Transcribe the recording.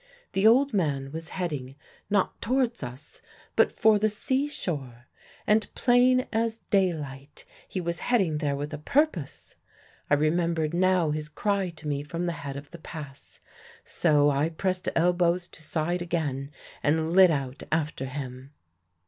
The old man was heading, not towards us, but for the seashore, and, plain as daylight, he was heading there with a purpose. I remembered now his cry to me from the head of the pass. So I pressed elbows to side again and lit out after him.